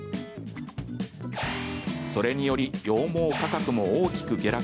それにより羊毛価格も大きく下落。